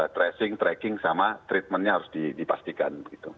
tracing tracking sama treatmentnya harus dipastikan